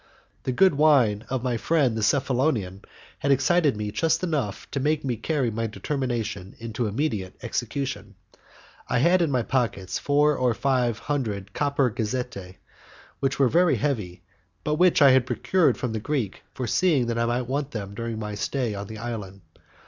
The good wine of my friend the Cephalonian had excited me just enough to make me carry my determination into immediate execution. I had in my pockets four or five hundred copper gazzette, which were very heavy, but which I had procured from the Greek, foreseeing that I might want them during my stay on the island.